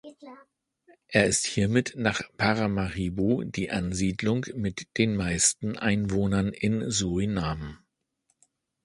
Er ist hiermit nach Paramaribo die Ansiedlung mit den meisten Einwohnern in Suriname.